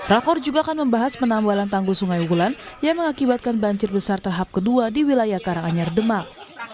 rakor juga akan membahas penambalan tanggul sungai wulan yang mengakibatkan banjir besar tahap kedua di wilayah karanganyar demak